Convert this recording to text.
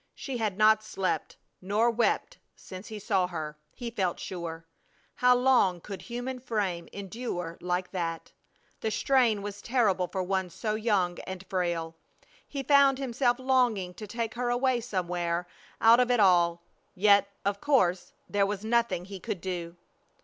She had not slept nor wept since he saw her, he felt sure. How long could human frame endure like that? The strain was terrible for one so young and frail. He found himself longing to take her away somewhere out of it all. Yet, of course, there was nothing he could do.